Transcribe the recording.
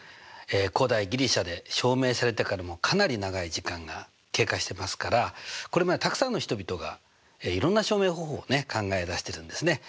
古代ギリシャで証明されてからかなり長い時間が経過してますからこれまでたくさんの人々がいろんな証明方法を考え出してるんですね。